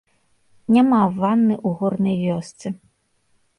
Няма ванны ў горнай вёсцы.